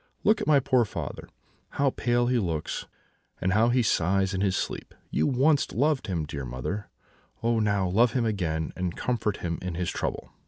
'Look at my poor father; how pale he looks, and how he sighs in his sleep! You once loved him, dear mother; oh now, love him again, and comfort him in his trouble!'